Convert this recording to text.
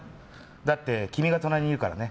だって君が隣にいるからね。